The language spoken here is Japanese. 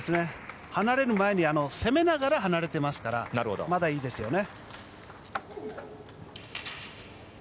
離れる前に攻めながら離れてますからまだいいですよね。